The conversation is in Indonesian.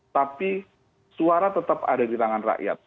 tapi suara tetap ada di tangan rakyat